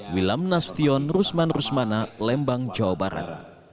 wilam nasution rusman rusmana lembang jawa barat